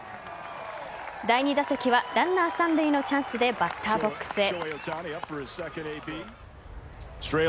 第２打席はランナー三塁のチャンスでバッターボックスへ。